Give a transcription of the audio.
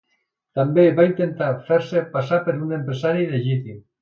També va intentar fer-se passar per un empresari legítim.